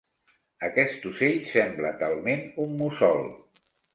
Aquest ocell sembla talment un mussol.